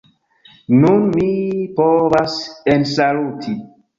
Nun mi povas ensaluti